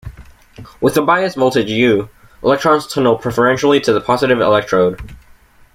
With a bias voltage "U", electrons tunnel preferentially to the positive electrode.